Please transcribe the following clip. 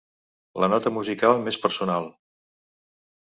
La nota musical més personal.